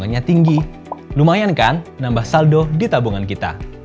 uangnya tinggi lumayan kan nambah saldo di tabungan kita